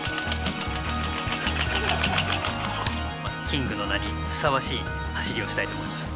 キングの名にふさわしい走りをしたいと思います。